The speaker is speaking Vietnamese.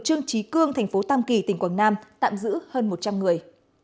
trương trí cương thành phố tam kỳ tỉnh quảng nam tạm giữ hơn một trăm linh người